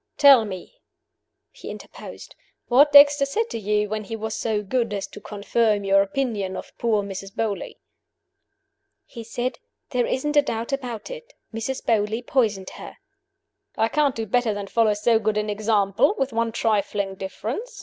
"Tell me," he interposed, "what Dexter said to you when he was so good as to confirm your opinion of poor Mrs. Beauly." "He said, 'There isn't a doubt about it. Mrs. Beauly poisoned her.'" "I can't do better than follow so good an example with one trifling difference.